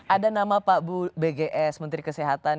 ada nama pak bu bgs menteri kesehatan